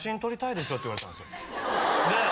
で。